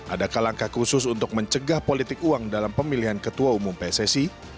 adakah langkah khusus untuk mencegah politik uang dalam pemilihan ketua umum pssi